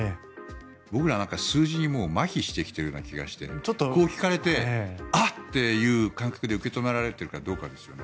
僕らは数字にまひしてきているような気がしてこう聞かれてあっ！っていう感覚で受け止められているかどうかですよね。